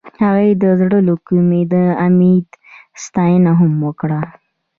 هغې د زړه له کومې د امید ستاینه هم وکړه.